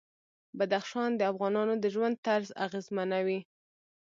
بدخشان د افغانانو د ژوند طرز اغېزمنوي.